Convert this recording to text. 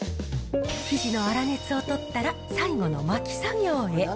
生地の粗熱を取ったら、最後の巻き作業へ。